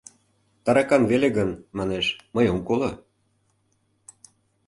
Таракан веле гын, манеш, мый ом коло.